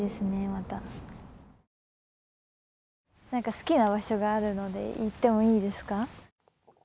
好きな場所があるので行ってもいいですか？